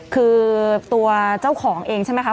คือตัวเจ้าของเองใช่ไหมคะ